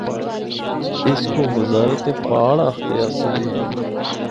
اس کو وزارت پہاڑ آکھدے آسے۔